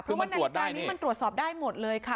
เพราะว่านาฬิกานี้มันตรวจสอบได้หมดเลยค่ะ